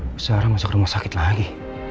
sekarang masuk rumah sakit lagi